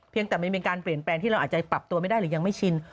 ยังแต่มันเป็นการเปลี่ยนแปลงที่เราอาจจะปรับตัวไม่ได้หรือยังไม่ชิน